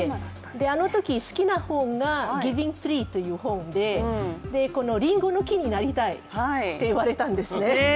あのとき好きな本が「ＧｉｖｉｎｇＴｒｅｅ」という本でりんごの木になりたいと言われたんですね。